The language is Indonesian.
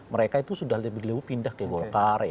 mereka itu sudah lebih pindah ke golkar